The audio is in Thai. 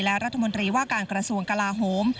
และรัฐมนตรีว่าการกระทรวงกลาโหม